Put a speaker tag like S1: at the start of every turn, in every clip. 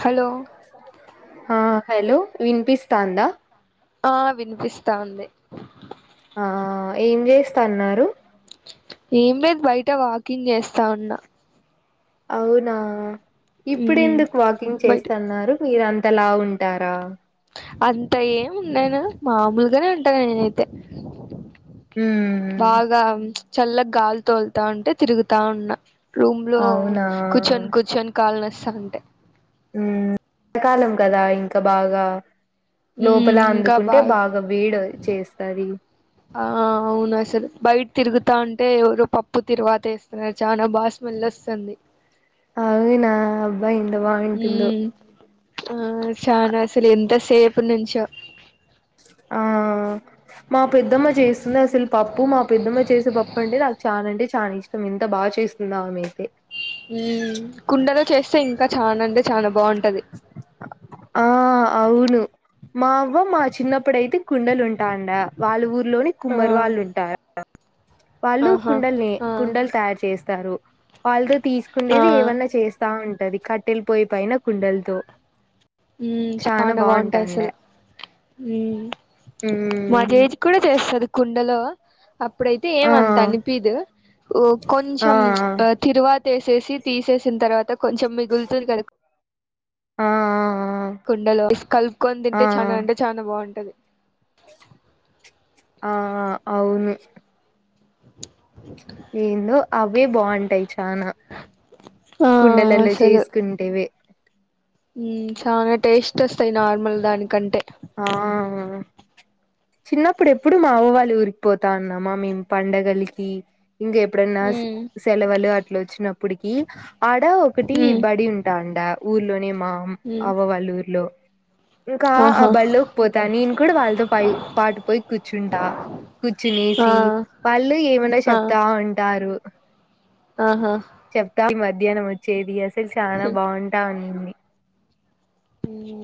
S1: Hello
S2: హా hello విన్పిస్ సందా
S1: ఆ వినిపిస్తా ఉంది
S2: ఆ ఆ ఏం చేస్తన్నారు
S1: ఏం లేదు బయట వాకింగ్ చేస్తా ఉన్నా
S2: అవునా ఇప్పుడు
S1: ఉమ్
S2: ఎందుకు వాకింగ్
S1: బయట
S2: చేస్తన్నారు. మీరన్ తలా ఉంటారా
S1: అంత ఏం ఉండను. మామూలుగానే ఉంటాగా నేనైతే
S2: హ్మ్.
S1: బాగా చల్లగ్ గాలి తొల్తావుంటే, తిరుగుతా ఉన్నా. రూమ్ లో
S2: అవునా!
S1: కూచొన్ కూచొన్ కాళ్ళ నో సండే
S2: హు [inaudible] కాలం కదా ఇంకా బాగా లోపల
S1: ఉమ్ ఇంకా
S2: అందుకుంటే బాగా వేడో చేస్తది
S1: తాఉంటే ఎవరు పప్పు తిరువాత వేస్తున్నారు చానా బాగా స్మెల్ వస్తుంది
S2: అవునా అబ్బా ఎంత బావుంటుందో
S1: ఉమ్ ఆ షాన్ అసలు ఎంత సేపు నించో
S2: ఆ మా పెద్దమ్మ చేస్తుంది అసలు పప్పు మా పెద్దమ్మ చేసే పప్పు అంటే నాకు చాలా అంటే చాలా ఇష్టం ఎంత బాగా చేస్తుందో ఆమెయితే
S1: హ్మ్ కుండలో చేస్తే ఇంకా చాన అంటే చానా బాగుం
S2: ఆ అవును మా అవ్వ మా చిన్నప్పుడయితే కుండలు ఉంటాండ వాళ్ళు ఊ రి లోని
S1: ఆ
S2: కుమ్మరి వాళ్ళు ఉంటారు వాళ్ళు
S1: ఆహా
S2: కుండల్ని
S1: ఆ
S2: కుండలు తయారు చేస్ తారు వాళ్ళు
S1: ఆ
S2: తీసుకుండేది ఏమన్నా చేస్తా ఉ అది కట్టెల్ పొయ్యి పైన కుండల్తో
S1: హ్మ్ చానా బాగుంటాయి అసలు హ్మ్ మా
S2: మ్మ్
S1: జేజ్ కూడా చేస్తుంది కుండలో అప్పుడైతే
S2: ఆ
S1: ఏమంత అనిపిదు
S2: ఆ
S1: కొంచెం తిరువా వేసేసి తీసేసిన తర్వాత త కొంచం మిగులుతుంది కద
S2: ఆ ఆ
S1: కుండలో కలుపుకొని తింటే చాలా అంటే చాలా బాగుంటది
S2: ఆ ఆ అవును ఏందో అవే బాగుంటాయి చనా
S1: ఆ
S2: కుండలలో చేసుకుంటేవే
S1: హా చాల టేస్ట్ వస్తాయి నార్మల్ దానికంటే
S2: ఆ చిన్నప్పుడు ఎప్పుడు మా అవ్వవాళ్ళి ఊరికి పోతా ఉన్నామా మేము పండగలికి ఇంక ఎప్పుడైన్నా
S1: ఉమ్
S2: సెలవులు అట్లా వచ్చినప్పటికి ఆడ ఒకటి
S1: ఉమ్
S2: బడి ఉంటా అడా ఊర్లోనే మా
S1: ఉమ్
S2: అవ్వ వాళ్ల ఊరిలో ఇంకా
S1: ఆహా
S2: బడిలోకి పోతా నేను కూడా వాళ్ళతో పై పాటు పోయి కూర్చుంటా కూర్చునేసి
S1: ఆ
S2: వాళ్ళు ఏమన్నా
S1: ఆ
S2: చెప్తా ఉంటారు
S1: ఆహా
S2: చెప్తా మధ్యాహ్నం వచ్చేదియా అసలు చాలా బాగుంటావు
S1: ఉమ్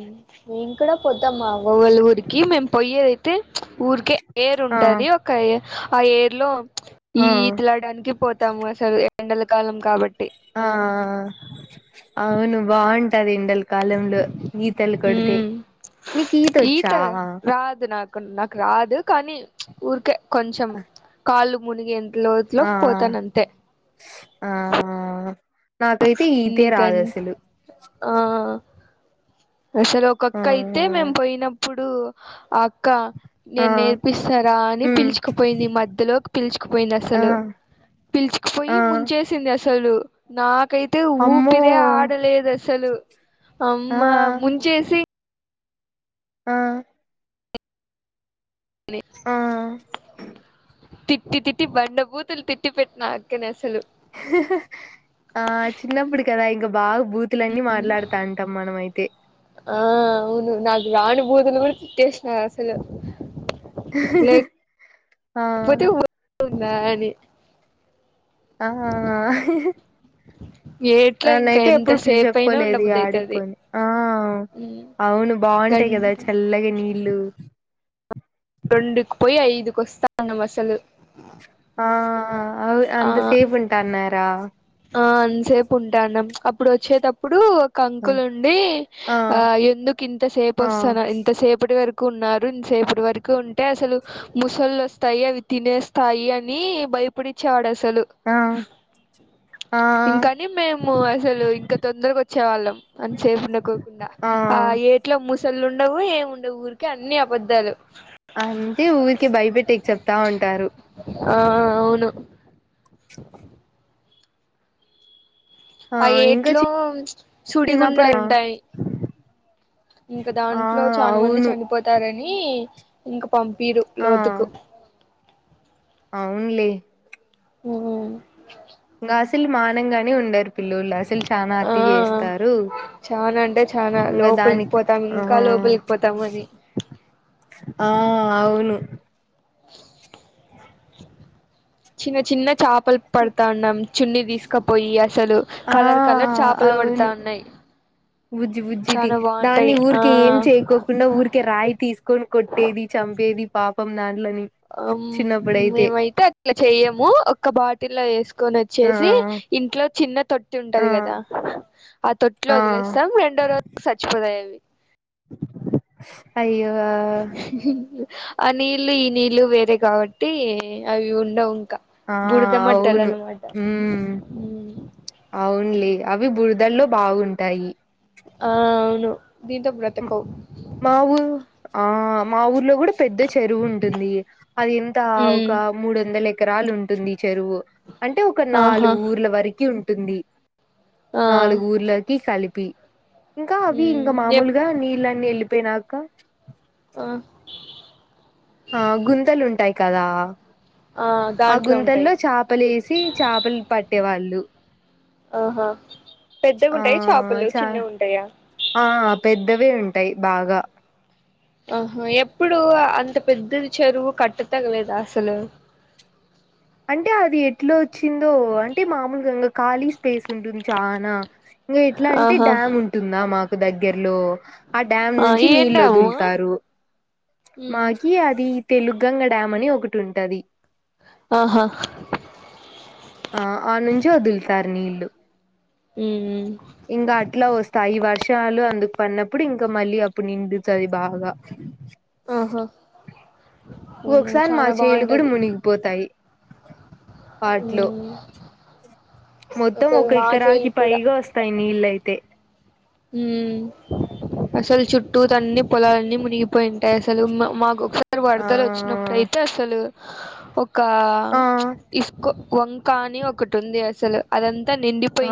S1: మేము కూడా పోతాము మా ఊ ఓవ్వల ఊరికి మేము పయ్యేదై ఊరికే ఎర్
S2: ఆ
S1: ఉంటది ఒక ఏర్ ఆ ఏర్లో
S2: ఆ
S1: ఈ ఇదిలాడానికి పోతాము అసలు ఎండలకాలం కాబట్
S2: ఆ ఆ అవును బాగుంటది ఇండల్ కాలంలో ఈతలు కొడితే
S1: ఉమ్
S2: నీకు ఈత వచ్చా
S1: ఊరుకే కొంచెం కాళ్ళు మునుగేఎంత లోజ్
S2: ఆ
S1: లోకి పోతానంతే
S2: ఆ నాకైతే ఈతే రాదు అసలు
S1: ఆ అసలు
S2: ఆ
S1: ఒకక్క అయితే మేం పోయినప్పుడు డు ఆ అక్క
S2: ఆ
S1: నేను నేర్పిస్తారా అని
S2: ఉమ్
S1: పిలిచుకుపోయింది మధ్యలోకి పిలిచుకుపోయింది
S2: ఆ
S1: అసలు పిల్
S2: ఆ
S1: చుకుపోయి ముంచేసింది అసలు నాక్ కై తే
S2: అమ్మో
S1: ఊపిరే ఆడలేదు అస్సలు
S2: ఆ
S1: అమ్మా సి
S2: ఆ ఆ
S1: తిట్టి తిట్టి బండ బూతులు తిట్టి పెట్న ఆ అక్కని అసలు
S2: ఆ చిన్నప్పుడు కదా ఇంక బాగ్ బూతులన్నీ మాట్లాడుతాఅంటాం మనమయితే
S1: ఆ అవును నాకు రాని భూతులు కూడ తిట్టేసిన అసలు లేకపోతే
S2: ఆహా
S1: ఉందా అని
S2: ఆ
S1: ఏట్లో ఇంకా
S2: నన్నయితే ఎప్పుడు
S1: ఎంతసేపు అయినా
S2: పిలిచకపోలేదు
S1: ఉండబుద్ధి అయితది
S2: ఆడిగిపోయిన ఆ అవును బాగుంటాయి కదా
S1: గంట
S2: చల్లగా నీల్ ల్లు
S1: రెండు కు పోయి ఐదుకు వస్తాన్నామ్ అసలు
S2: ఆ అ
S1: ఆ
S2: అంత సేఫ్ ఉంటాన్నారా
S1: ఆ అంతసేపు ఉంటానం అప్పుడు వచ్చేటప్పుడు కంకులుండి ఆ ఎందుకు ఇంతసేపు
S2: ఆ
S1: వస్తను ఇంతసేపటి వరకు కుఉన్నారు ఇంత సేపటి వరకు ఉంటే అసలు ముసళ్ళు వస్తాయి అవి తినేస్తాయి అని భయపడిచ్చివాడు అస సలు
S2: ఆ ఆ
S1: ఇంకాని మేము అసలు ఇంకా తొందరకు వచ్చే వాళ్ళం అనిసేపు ఉండకోకుండా ఆ ఏట్లో ముసలు ఉండవు ఏమి ఉండవు ఊరికే అన్ని అబద్దాలు
S2: అంతే ఊరికే భయపెట్టే కి చెప్తా ఉంటారు
S1: ఆ అవును ఆ ఏట్లో
S2: చిన్నప్పుడే
S1: సుడిగుండాలు
S2: ఆ
S1: ఉంటాయి ఇంకా
S2: ఆ!
S1: దాంట్లో చాలా మంది
S2: అవును
S1: చనిపోతారం నీ ఇంక పంపీరు
S2: ఆ
S1: లోతుకు
S2: అవునులే
S1: ఉమ్
S2: గాసులు మానంగానే ఉండారు పిల్లుల్లాస్ అసలు చానా
S1: ఆ
S2: అతి చేస్తారు
S1: చానా అంటే చానా
S2: ఇంకా
S1: లోపలికి
S2: దానికి
S1: పోతాం ఇంకా
S2: ఆ
S1: లోపలికి పోతాం అని
S2: ఆ అవును
S1: [inaudible] చిన్న చిన్న చాప పలు పడతా ఉన్నాం చున్ని తీసుకు కాపోయి
S2: ఆ అవును
S1: ఉన్నాయి
S2: బుజ్జి బుజ్జిటి
S1: చాలా
S2: దాన్ని
S1: బాగుంటాయి ఆ
S2: ఊరికే ఏం చేయకోకుండా ఊరికే రాయి తీసుకొని కొట్టేది చంపేది పాపం దాన
S1: ఆమ్ మేమైతే అట్లా చేయము ఒక బాట టిలా ఎస్ కొని
S2: ఆ
S1: వచ్చేసి ఇంట్లో చిన్న తొట్టి
S2: ఆ
S1: ఉంటది కదా ఆ తొట్టిలో వదిలేస్తాం రెండో రోజుకి చచ్చిపోతాయి అవి
S2: అయ్యో
S1: ఆ నీళ్ళు ఈ నీళ్లు వేరే కాబట్టి అవి ఉండవ్
S2: ఆ అవును ఉమ్ అవున్లే అవి బురదల్లో బాగుంటాయి
S1: ఆ అవును దీంతో బ్రతకవ్
S2: మా ఊ ఆ మా ఊర్లో కూడా పెద్ద చెరువు ఉంటుంది అది ఎంత ఒక
S1: ఉమ్
S2: మూడు వందల ఎ కరాలు ఉంటుంది చెరువు అంటే ఒక
S1: ఆహా
S2: నాలుగు ఊర్ల వరకి ఉన్ టుంది
S1: ఆ
S2: నాలుగు ఊర్లకి కలి పి ఇంకా అవి ఇంక
S1: ఉమ్ ఎప్
S2: మామూలు నీళ్ళన్నీ వెళ్ళిపోయినాక
S1: ఆ
S2: ఆ గుంతలుంటాయి కదా ఆ
S1: దాంట్లో ఉంటాయి
S2: గుంతల్లో చాపలేసి చాపలు పట్టేవాళ్ళు డు
S1: ఆహా పెద్దవి ఉంటాయా చాపలు
S2: చ
S1: చిన్నవి ఉంటాయా
S2: ఆ పెద్దవే ఉంటాయి బాగా
S1: ఆహా ఎప్పుడు అంత పెద్దది చెరువు కట్టతెగలేదా అసలు
S2: అంటే అది ఎట్లా వచ్చిందో అంటే మామూలుగా ఇంకా ఖాళీ స్పేస్ ఉంటుంది చానా ఇంగ ఎట్లంటే
S1: ఆహా
S2: డ్యామ్ ఉంటుందా మా దగ్గర్లో ఆ డ్యామ్ నుంచి నీళ్లు వదులుతారు మాకి అది తెలుగంగ డామ్ అని ఒకటి ఉంటది
S1: ఆహా
S2: ఆ ఆడ నుంచి వదులుతారు నీళ్లు
S1: ఉమ్
S2: ఇంకా అట్లా వస్ తాయి వర్షాలు అందుకు పడినప్పుడు ఇంక మళ్ళీ అప్పుడు నిండుతది బాగా
S1: ఆహా ఉమ్
S2: ఒక్కొక్క సారి మా
S1: చానా
S2: చేలు కూడా
S1: బాగుంటది
S2: మునిగిపోతాయి పాట్లు
S1: ఉమ్
S2: మొత్తం
S1: అసలు
S2: ఒక
S1: మా చేలు
S2: ఎకరానికి
S1: కూడా
S2: పైగా వస్తాయి నీళ్ళయితే
S1: ఉమ్ అసలు చుట్టూత అన్ని పొలాలన్నీ మునిగిపోయింటాయి అసలు మాకొకస
S2: ఆ
S1: వరదలు వచ్చినప్పుడైతే అసలు ఒక్ క్క
S2: ఆ
S1: ఇస్కో వంక అని ఒక టుంది అసలు అదంతా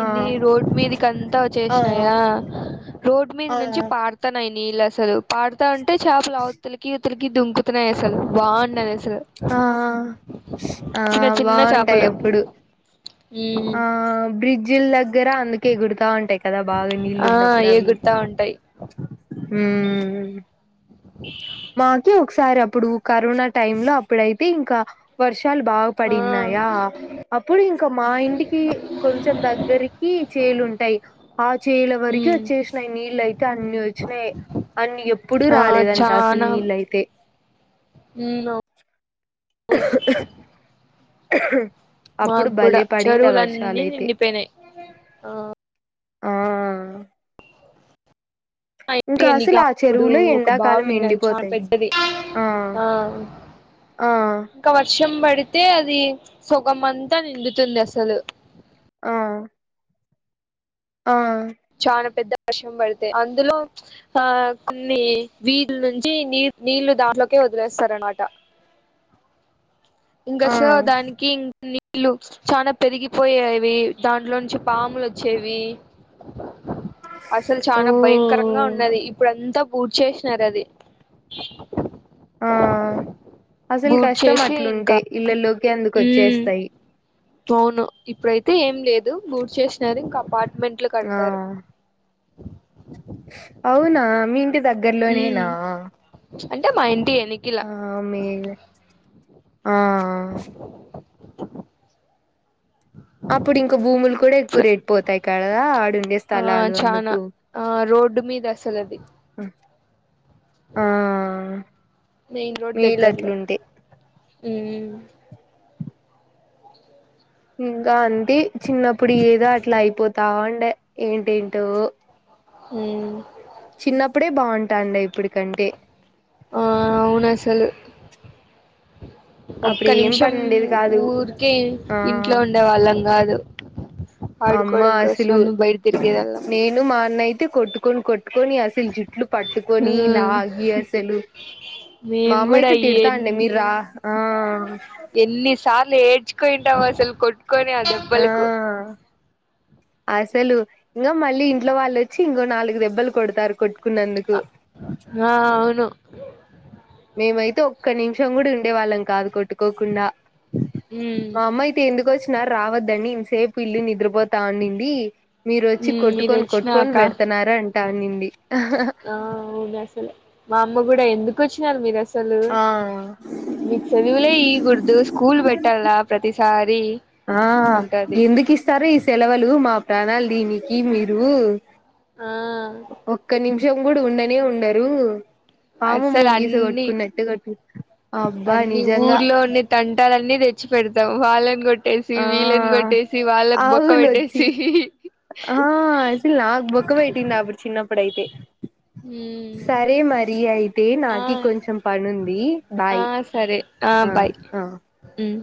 S2: ఆ
S1: రోడ్ మీదకి అంతా
S2: ఆ ఆ
S1: వచ్చేేసినాయా రోడ్డు మీద నుంచి పారతాన్నాయి ఈ నీళ్ళు అసలు పాడుతా ఉంటే చేపలు ఆ అవుతలికి ఇవుతలికి దుంకుతున్నాయి అసలు బాగున్నానది అసలు
S2: ఆ ఆ
S1: చిన్న చిన్న
S2: బాగుంటాయి
S1: చేపలు
S2: ఎప్పుడు
S1: ఉమ్
S2: జిల్ దగ్గర అందుకు ఎగుడుతా ఉంటాయి కదా బాగా నీళ్ళు
S1: ఆ
S2: ఉన్నప్పుడు అవి
S1: ఎగురుతా ఉంటాయి
S2: ఉమ్
S1: టీ
S2: మాకే ఒకసారి అప్పుడు కరోనా టైం లో అప్పుడైతే ఇంకా వర్ష వరిషలు బాగా
S1: ఆ
S2: పడిన్నాయా అప్పుడు ఇంకా మా ఇంటికి కొంచెం దగ్గరికి చేలు ఉంటాయి ఆ చేల వరకు వచ్చేసినాయి నీళ్ళ అయితే అన్ని వచ్చినాయి అన్ని ఎప్పుడు రాలేదంట నీల్ అయితే
S1: ఇన్ రొ అవును
S2: ఆఉ
S1: మాకు కూడా చెరువులన్నీ నిండిపోయినాయి ఆ
S2: ఆ
S1: ఇంటి
S2: ఇంకా
S1: ఎనికి
S2: అసలు ఆ
S1: అప్పుడు
S2: చెరువులో
S1: ఒక బావి
S2: ఎండాకాలం
S1: వు న్నది చాలా
S2: ఎండిపోతాయి
S1: పెద్దది ఆ
S2: ఆ
S1: ఇంకా వర్షం పడితే అది సుగం అంతా నిండుతుంది అసలు
S2: ఆ ఆ
S1: చాలా పెద్ద వర్షం పడితే అందులో ఆ కొన్ని వీళ్లు నుంచి నీ నీళ్లు దాంట్లోకే వదిలేస్తార అనమాట ఇంకా
S2: ఆ
S1: సో దానికి ఇం నీళ్లు చాన పెరిగిపోయేవి దాంట్లో నుంచి పాములు వచ్చేవి అసలు
S2: ఓ
S1: చానా భయంకరంగా ఉన్నది ఇప్పుడు అంతా ఊడ్ చేేసినారు అది
S2: ఆ అసలు
S1: బూట్
S2: కష్టం
S1: చేసి ఇంకా
S2: అట్లుంటే ఇల్లో ఎందుకు
S1: ఉమ్
S2: వచ్చేస్తాయి
S1: అవును ఇప్పుడయితే ఏం లేదు బూడ్ చేస్త సరే ఇంకా అపార్ట్మెంట్లు
S2: ఆ
S1: కడతారు
S2: దగ్గర్లోనేనా
S1: ఉమ్ అంటే మా ఇంటి ఎనికిల
S2: ఆ మే ఆ
S1: ఉమ్
S2: అప్పుడు ఇంక భూములు కూడా ఎక్కువ రేట్ పోతాయి కదా. ఆడుండే స్థలాలు అందుకు.
S1: డ్డుం మీద అసలు అది.
S2: ఛ్ ఆహ్
S1: మెయిన్ రోడ్
S2: వీలు
S1: దగ్గరలో
S2: అట్లుండే.
S1: ఉమ్
S2: ఇంకా అంతే చిన్నప్పుడు ఏదో అట్లా అయిపోతావుండే ఏంటేంటో.
S1: ఉమ్.
S2: చిన్నప్పుడే బావుంటాండే ఇప్పటికంటే.
S1: ఆహ్ అవునాసలు. ఒక్క
S2: అప్పుడు ఏం
S1: నిమిషం
S2: పని ఉండేది కాదు
S1: ఊరికే
S2: ఆ
S1: ఇంట్లో ఉండేవాళ్ళం కాదు.
S2: అమ్మ
S1: ఆడుకోవడం
S2: అసలు
S1: కోసం బయట తిరిగేవాళ్ళం
S2: నేను మా అన్న అయితే కొట్టుకొని కొట్టుకొని అసలు జుట్లు
S1: ఉమ్
S2: పట్టుకొనిలాగి అసలు మా
S1: మేము
S2: అమ్మ
S1: కూడా
S2: అయితే తిడతాండే మీరు
S1: ఎన్ని
S2: రా ఆహ్.
S1: ఎన్ని సార్లు ఏడ్. మెచ్చుకుంటాం అసలు కొట్. కొనే ఆ దెబ్బలకు.
S2: అసలు ఇంకా మళ్ళీ ఇంట్లో వాళ్ళోచ్చి ఇంకో నాలుగు దెబ్బలు కొడతారు కొట్టుకున్నందుకు.
S1: ఆహ్ అవును
S2: మేమైతే ఒక్క నిమిషం కూడా ఉండే వాళ్ళం కాదు కొట్టుకోకుండా.
S1: ఉమ్
S2: మా అమ్మ అయితే ఎందుకు వచ్చ్ రావద్దని ఇంతసేపు ఇల్లు నిద్రపోతా ఉనింది. మీరు వచ్చి
S1: ఉమ్ మీరు
S2: కొట్టుకొని కొట్టుకొని పెడుతున్నారన్ టానింది.
S1: ఆహ్ ఉగాసలు. మా అమ్మ కూడా ఎందుకు వచ్చినారు మీరు అస్
S2: ఆ
S1: మీకు సెలవులే ఇకూడదు స్కూల్ పెట్టాల ప్రతిసా సార్
S2: ఆహ్ ఎందుకు ఇస్తారు ఈ సెలవులు మా ప్రాణాలు. దీనీకి మీరు.
S1: ఆహ్
S2: జంగుడు ఉండని ఉండనే ఉండరు పాము
S1: అసలు
S2: ముంగీస
S1: అన్ని
S2: కట్టుకున్నట్టే కోట్
S1: అన్ని ఊర్లో ఉన్నే తన్. ట్టాలన్నీ తెచ్చి పెడతాం వాళ్ళని కొట్ట్. కట్టేసి
S2: ఆ
S1: వీళ్ళాని కొట్టేసి వాళ్ళాకి బొక్క
S2: అవునొచ్చి
S1: పెట్టేసి.
S2: ఆ అప్పుడైతే
S1: ఉమ్
S2: సరే మరి అయితే
S1: ఆ
S2: నాకి కొంచెం పనుంది బాయ్.
S1: ఆ సరే
S2: ఆ
S1: బాయ్
S2: ఆ
S1: ఉమ్